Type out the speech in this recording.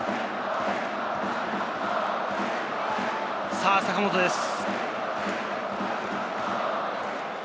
さぁ、坂本です。